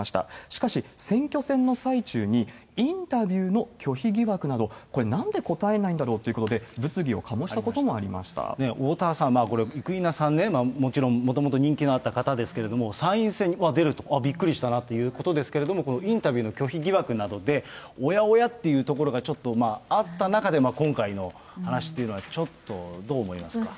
しかし、選挙戦の最中に、インタビューの拒否疑惑など、これ、なんで答えないんだろうということで、物議を醸したこともありまおおたわさん、生稲さんね、もちろん、もともと人気のあった方ですけれども、参院選は出ると、びっくりしたなということですけれども、インタビューの拒否疑惑などで、おやおやというところがちょっとまあ、あった中で、今回の話っていうのは、ちょっとどう思いますか。